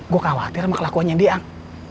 gue khawatir mah kelakuannya dia ang